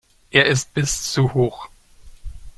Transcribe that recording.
Er ist bis zu hoch.